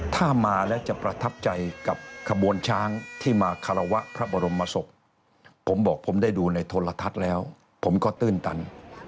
ถ้ามาแล้วจะประทับใจกับขบวนช้างที่มาคารวะพระบรมศพผมบอกผมได้ดูในโทรทัศน์แล้วผมก็ตื้นตัน